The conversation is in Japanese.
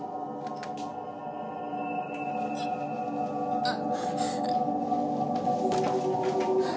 あっ！